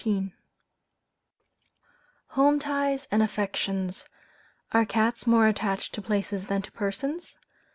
[See Note M, Addenda.] HOME TIES AND AFFECTIONS. Are cats more attached to places than to persons?